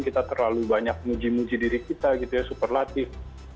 kita terlalu banyak muji muji diri kita gitu ya superlatif